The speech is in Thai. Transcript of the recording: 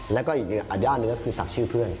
แล้วก็อีกด้านหนึ่งก็คือศักดิ์ชื่อเพื่อน